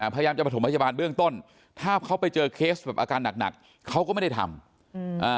พยายามจะประถมพยาบาลเบื้องต้นถ้าเขาไปเจอเคสแบบอาการหนักหนักเขาก็ไม่ได้ทำอืมอ่า